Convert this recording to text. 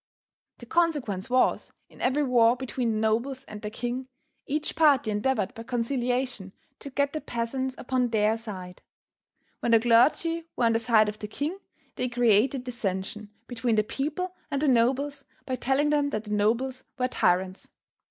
The consequence was, in every war between the nobles and the king, each party endeavored by conciliation to get the peasants upon their side. When the clergy were on the side of the king they created dissension between the people and the nobles by telling them that the nobles were tyrants.